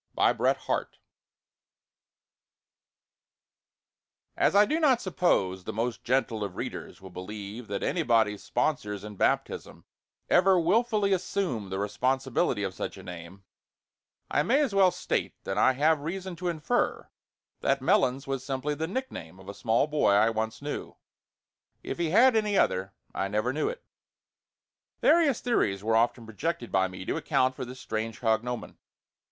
BRET HARTE MELONS As I do not suppose the most gentle of readers will believe that anybody's sponsors in baptism ever wilfully assumed the responsibility of such a name, I may as well state that I have reason to infer that Melons was simply the nickname of a small boy I once knew. If he had any other, I never knew it. Various theories were often projected by me to account for this strange cognomen.